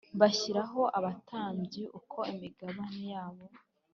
Bashyiraho abatambyi uko imigabane yabo